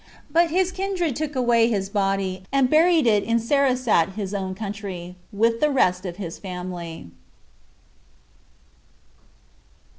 But his kindred took away his body, and buried it in Sarasat his own country, with the rest of his family.